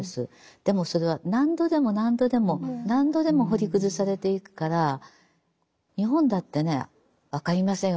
でもそれは何度でも何度でも何度でも掘り崩されていくから日本だってね分かりませんよ